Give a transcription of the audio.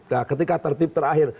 nah ketika tertib terakhir